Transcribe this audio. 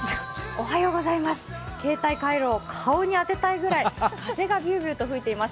携帯カイロを顔に当てたいぐらい風がびゅーびゅーと吹いています。